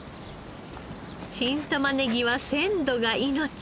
新玉ねぎは鮮度が命。